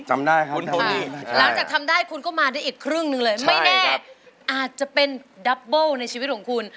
พอดีหลังจากทำได้คุณก็มาได้อีกครึ่งหนึ่งเลยไม่แน่อาจจะเป็นดับเบิ้ลในชีวิตของคุณ